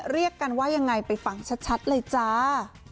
เรียกกันว่ายังไงไปฟังชัดเลยจ้า